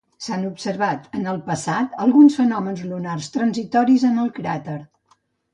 S'han observat en el passat alguns fenòmens lunars transitoris en el cràter.